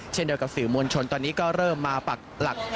เช่นเดียวกับสื่อมวลชนตอนนี้ก็เริ่มมาปักหลัก